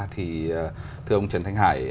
thì thưa ông trần thành hải